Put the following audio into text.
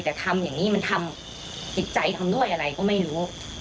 แต่ทำอย่างนี้มันทำจิตใจทำด้วยอะไรก็ไม่รู้